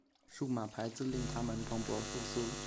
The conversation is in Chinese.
数码排字令它们蓬勃复苏。